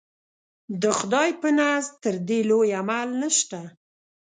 د خدای په نزد تر دې لوی عمل نشته.